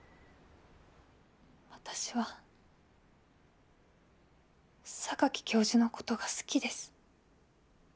私は教授のことが好きです。